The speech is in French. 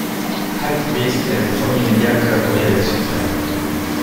Hypebeast est le premier média à collaborer avec Supreme.